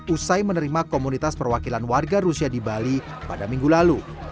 usai menerima komunitas perwakilan warga rusia di bali pada minggu lalu